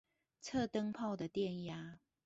測燈泡的電壓